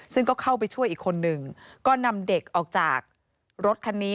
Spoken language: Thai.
ซึ่งก็เข้าไปช่วยอีกคนนึงก็นำเด็กออกจากรถคันนี้